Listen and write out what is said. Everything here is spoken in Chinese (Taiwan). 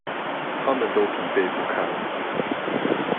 他們都疲憊不堪